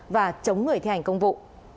và chống người thi hành công vụ